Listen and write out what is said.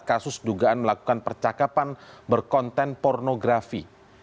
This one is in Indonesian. kasus dugaan melakukan percakapan berkonten pornografi